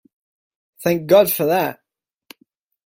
Thank God for that!